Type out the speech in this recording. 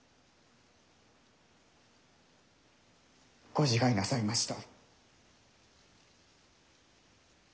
ご自害なさいました。